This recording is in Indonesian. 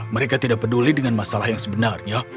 mereka tidak peduli dengan masalah yang sebenarnya